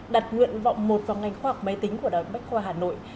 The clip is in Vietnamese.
đặt nguyện vọng một vào ngành khoa học máy tính của đoàn bách khoa hà nội